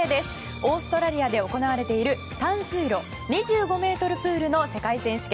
オーストラリアで行われている短水路２５ｍプールの世界選手権。